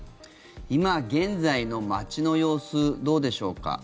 今現在の街の様子どうでしょうか。